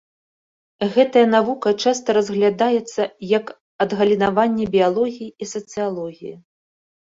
Гэтая навука часта разглядаецца як адгалінаванне біялогіі і сацыялогіі.